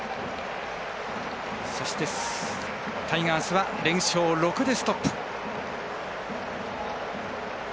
そして、タイガースは連勝６でストップ。